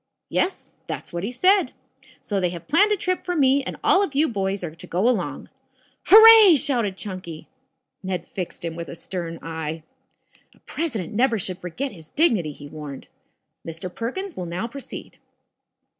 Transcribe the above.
"Yes. That's what he said. So they have planned a trip for me and all of you boys are to go along." "Hooray!" shouted Chunky. Ned fixed him with a stern eye. "A president never should forget his dignity," he warned. "Mr. Perkins will now proceed."